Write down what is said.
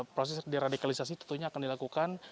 proses deradikalisasi tentunya akan dilakukan